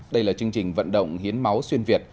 đây là chương trình vận động hiến máu xuyên việt